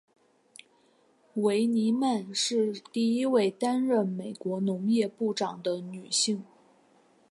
维尼曼是第一位担任美国农业部长的女性。